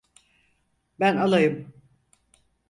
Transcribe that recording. Ben alayım.